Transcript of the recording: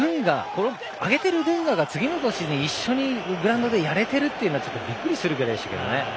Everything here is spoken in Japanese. このカップを上げてるドゥンガが次の年に一緒にグラウンドでやれているというのは驚くくらいでしたけどね。